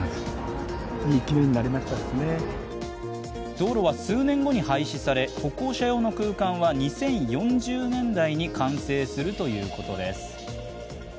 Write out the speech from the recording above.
道路は数年後に廃止され歩行者用の空間は２０４０年代に完成するということです。